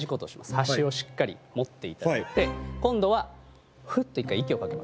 端をしっかり持っていただいて今度はフッと一回息をかけます。